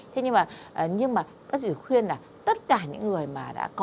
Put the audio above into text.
thế nhưng mà nhưng mà bác sĩ khuyên là tất cả những người mà đã có